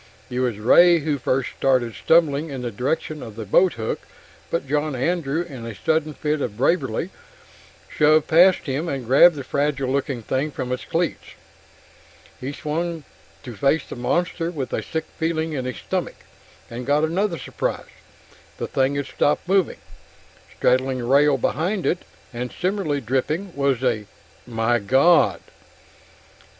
It was Ray who first started stumbling in the direction of the boathook, but John Andrew, in a sudden fit of bravery, shoved past him and grabbed the fragile looking thing from its cleats. He swung to face the monster with a sick feeling in his stomach, and got another surprise. The thing had stopped moving. Straddling the rail behind it, and similarly dripping, was a migawd!